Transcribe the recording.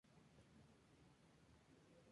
Cariopsis estrechamente ovoidea, libre.